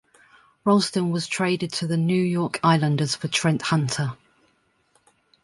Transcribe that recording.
Rolston was traded to the New York Islanders for Trent Hunter.